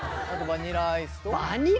バニラアイス。